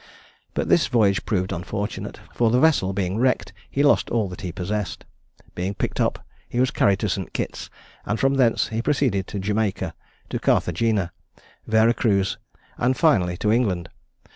But this voyage proved unfortunate, for the vessel being wrecked, he lost all that he possessed. Being picked up, he was carried to St. Kitt's; and from thence he proceeded to Jamaica, to Carthagena, Vera Cruz, and finally to England.